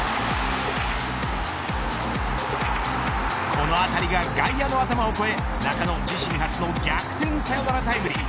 この当たりが外野の頭を越え中野自身初の逆転サヨナラタイムリー。